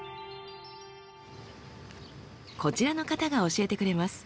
こちらの方が教えてくれます。